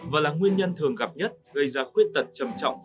và là nguyên nhân thường gặp nhất gây ra khuyết tật trầm trọng